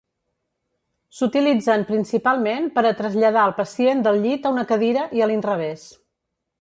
S'utilitzen principalment per a traslladar el pacient del llit a una cadira i a l'inrevés.